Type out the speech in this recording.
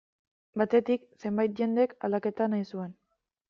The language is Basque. Batetik, zenbait jendek aldaketa nahi zuen.